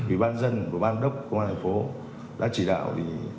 ủy ban dân và ban đốc công an tp hcm đã chỉ đạo